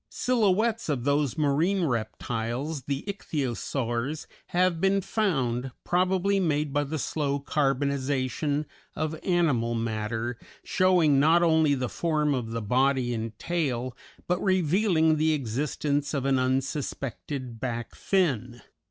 Silhouettes of those marine reptiles, the Ichthyosaurs, have been found, probably made by the slow carbonization of animal matter, showing not only the form of the body and tail, but revealing the existence of an unsuspected back fin.